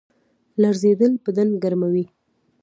لړزیدل بدن ګرموي